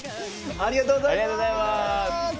ありがとうございます。